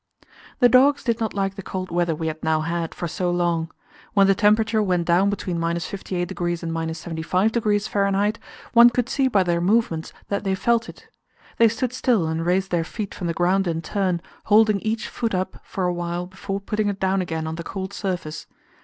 The dogs did not like the cold weather we had now had for so long; when the temperature went down between 58° and 75° F., one could see by their movements that they felt it. They stood still and raised their feet from the ground in turn, holding each foot up for a while before putting it down again on the cold surface.